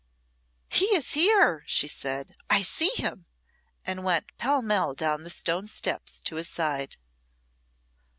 "He is here!" she said. "I see him;" and went pell mell down the stone steps to his side.